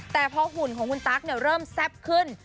แต่พอหุ่นของคุณตั๊กเริ่มแซ่บขึ้น